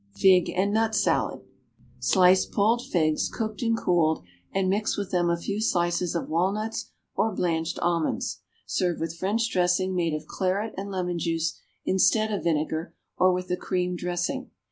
=Fig and Nut Salad.= Slice pulled figs, cooked and cooled, and mix with them a few slices of walnuts or blanched almonds. Serve with French dressing made of claret and lemon juice instead of vinegar, or with a cream dressing.